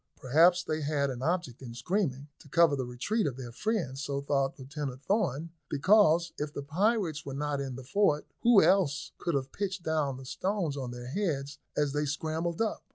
Perhaps they had an object in screaming, to cover the retreat of their friends; so thought Lieutenant Thorn, because if the pirates were not in the fort, who else could have pitched down the stones on their heads as they scrambled up?